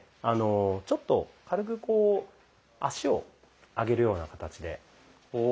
あのちょっと軽くこう足を上げるような形で。